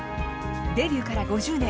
デビューから５０年。